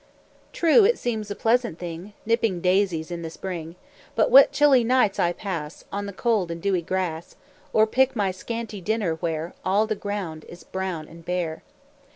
"True, it seems a pleasant thing Nipping daisies in the spring; But what chilly nights I pass On the cold and dewy grass, Or pick my scanty dinner where All the ground is brown and bare!